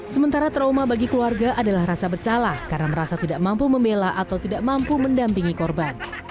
sementara trauma bagi keluarga adalah rasa bersalah karena merasa tidak mampu membela atau tidak mampu mendampingi korban